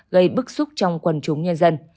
gây bức xúc trong quần chúng nhân dân